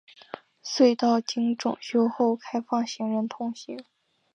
隧道经整修后开放行人通行。